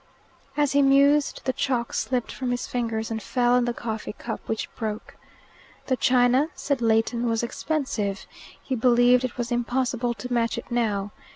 As he mused, the chalk slipped from his fingers, and fell on the coffee cup, which broke. The china, said Leighton, was expensive. He believed it was impossible to match it now.